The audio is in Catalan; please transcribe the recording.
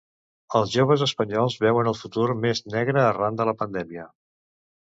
Els joves espanyols veuen el futur més negre arran de la pandèmia.